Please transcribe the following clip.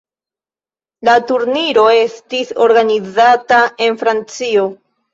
La turniro estis organizata en Francio.